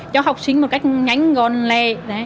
cho học sinh một cách nhanh gòn lẹ